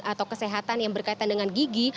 atau kesehatan yang berkaitan dengan gigi